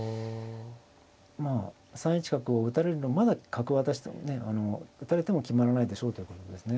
まあ３一角を打たれるのまだ角渡してもねあの打たれても決まらないでしょうということですね。